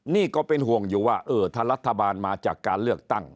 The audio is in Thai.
นี่ก็เป็นห่วงอยู่ว่าเออถ้ารัฐบาลมาจากการเลือกตั้ง